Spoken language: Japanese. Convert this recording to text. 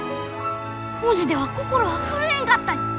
文字では心は震えんかったに！